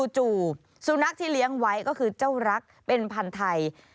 จู่สุนัขที่เลี้ยงไว้ก็คือเจ้ารักเป็นพันธุ์ไทย